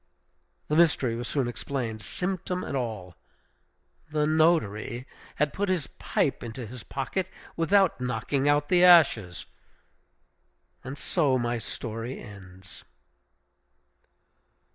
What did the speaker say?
The mystery was soon explained, symptom and all. The notary had put his pipe into his pocket without knocking out the ashes! And so my story ends.